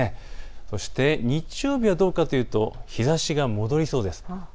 そして日曜日はどうかというと日ざしが戻りそうです。